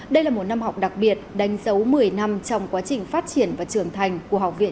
đây là một năm học đặc biệt đánh dấu một mươi năm trong quá trình phát triển và trưởng thành của học viện